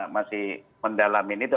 masih mendalamin itu